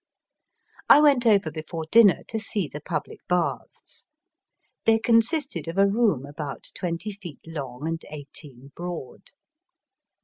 I went over before dinner to see the public baths. They consisted of a room about twenty feet long and eighteen broad.